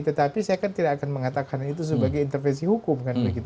tetapi saya kan tidak akan mengatakan itu sebagai intervensi hukum